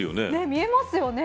見えますよね。